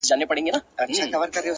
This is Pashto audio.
o مړه راگوري مړه اكثر،